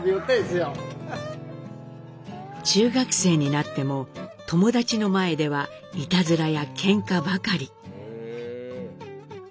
中学生になっても友達の前ではいたずらやけんかばかり。